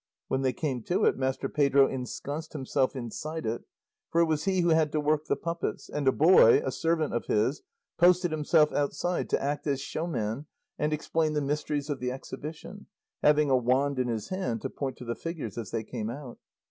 When they came to it Master Pedro ensconced himself inside it, for it was he who had to work the puppets, and a boy, a servant of his, posted himself outside to act as showman and explain the mysteries of the exhibition, having a wand in his hand to point to the figures as they came out.